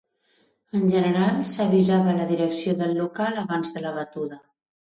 En general, s'avisava la direcció del local abans de la batuda.